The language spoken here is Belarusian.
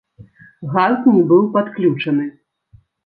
Газ не быў падключаны.